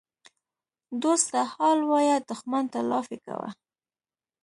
ـ دوست ته حال وایه دښمن ته لافي کوه.